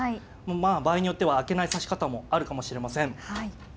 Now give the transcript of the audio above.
まあ場合によっては開けない指し方もあるかもしれません。